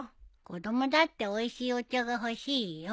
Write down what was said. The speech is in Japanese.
子供だっておいしいお茶が欲しいよ。